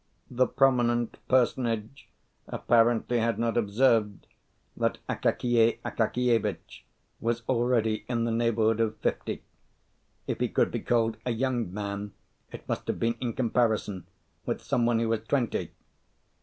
The prominent personage apparently had not observed that Akakiy Akakievitch was already in the neighbourhood of fifty. If he could be called a young man, it must have been in comparison with some one who was twenty.